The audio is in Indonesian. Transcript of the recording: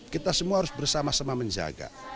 kita semua harus bersama sama menjaga